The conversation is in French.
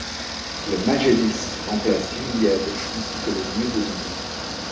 Le Magelys remplace l'Iliade ainsi que le New Domino.